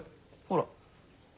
ほら！